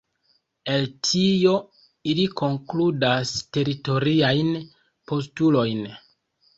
El tio ili konkludas teritoriajn postulojn.